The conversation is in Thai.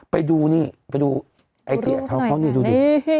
ไปดูนี่ไปดูไอเดียเข้านี่ดูดิ